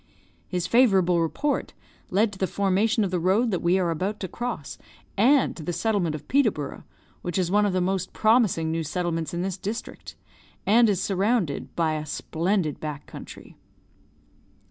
His favourable report led to the formation of the road that we are about to cross, and to the settlement of Peterborough, which is one of the most promising new settlements in this district, and is surrounded by a splendid back country."